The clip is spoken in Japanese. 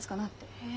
へえ。